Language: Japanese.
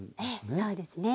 そうですね。